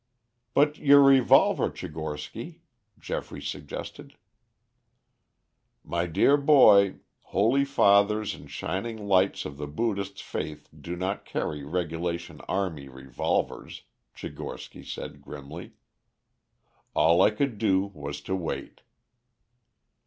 "But your revolver, Tchigorsky," Geoffrey suggested. "My dear boy, holy fathers and shining lights of the Buddhist faith do not carry Regulation Army revolvers," Tchigorsky said grimly. "All I could do was to wait."